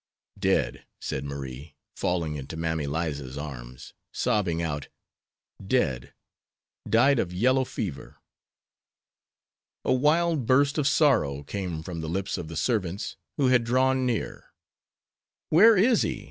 "Dead," said Marie, falling into Mammy Liza's arms, sobbing out, "dead! _ died_ of yellow fever." A wild burst of sorrow came from the lips of the servants, who had drawn near. "Where is he?"